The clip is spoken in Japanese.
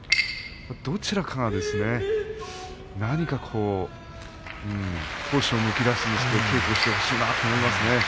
どちらかがですね、何か闘志むき出しにして稽古してほしいなと思うんですね。